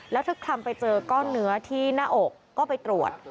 แล้วเธอคลำไปเจอก้อนเนื้อที่หน้าอกก็ไปตรวจ